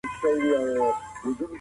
لويي سوي ستونزي اسانه او ژر نه هواريږي.